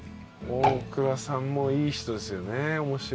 大倉さんもいい人ですよね面白い。